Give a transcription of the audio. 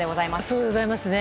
そうでございますね。